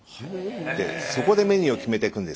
そこでメニューを決めていくんですね。